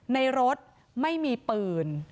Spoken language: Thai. ในรถไม่มีปืน